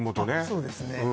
そうですね